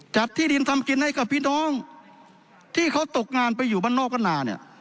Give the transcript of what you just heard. ที่ดินทำกินให้กับพี่น้องที่เขาตกงานไปอยู่บ้านนอกบ้านนาเนี่ย